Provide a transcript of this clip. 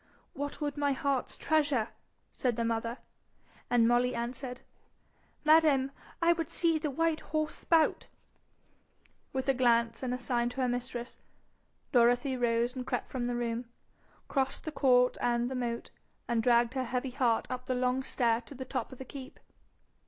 'What would my heart's treasure?' said the mother; and Molly answered, 'Madam, I would see the white horse spout.' With a glance and sign to her mistress. Dorothy rose and crept from the room, crossed the court and the moat, and dragged her heavy heart up the long stair to the top of the keep.